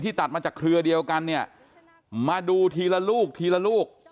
ตัดมาจากเครือเดียวกันเนี่ยมาดูทีละลูกทีละลูก